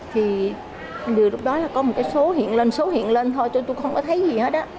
thì đều lúc đó là có một cái số hiện lên số hiện lên thôi tôi không có thấy gì hết á